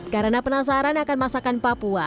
karena penasaran akan masakan papua